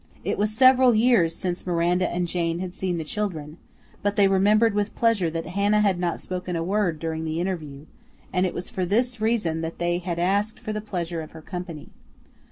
It was several years since Miranda and Jane had seen the children, but they remembered with pleasure that Hannah had not spoken a word during the interview, and it was for this reason that they had asked for the pleasure of her company.